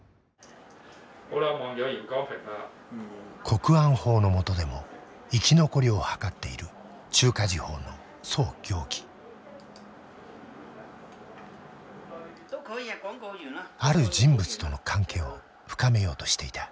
国安法のもとでも生き残りを図っているある人物との関係を深めようとしていた。